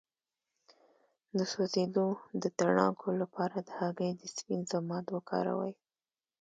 د سوځیدو د تڼاکو لپاره د هګۍ د سپین ضماد وکاروئ